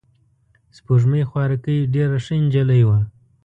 سپوږمۍ خوارکۍ ډېره ښه نجلۍ وه.